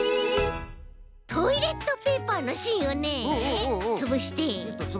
トイレットペーパーのしんをねつぶして。